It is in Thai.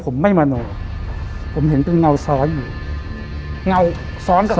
แล้วผมไม่มโนผมเห็นตึงเงาซ้อนอยู่เงาซ้อนกับเขา